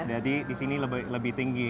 jadi di sini lebih tinggi